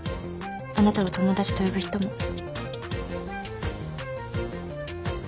あなたを友達と呼ぶ人も。